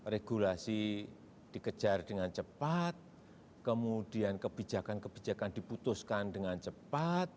regulasi dikejar dengan cepat kemudian kebijakan kebijakan diputuskan dengan cepat